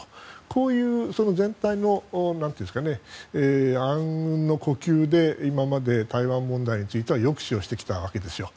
こういう全体の阿吽の呼吸で今まで台湾問題については抑止をしてきたわけですよ。